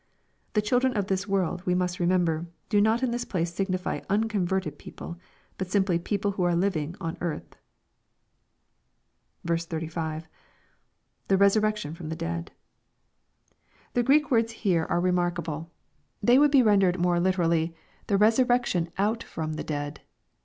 "The children of this worli," we must remember, do not in this place signify unconverted people, but simply people who arc liv ing on earth. 35. — [The resurrection from the dead.] The Q reek words here are LUKE, CHAP. XX. 343 remarkable. They would be rendered more literally, *' the resurrec tion out from the dead."